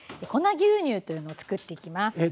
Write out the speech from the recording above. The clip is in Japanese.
「粉牛乳」というのを作っていきます。